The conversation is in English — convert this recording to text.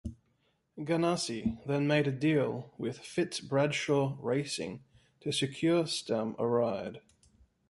Ganassi then made a deal with FitzBradshaw Racing to secure Stremme a ride.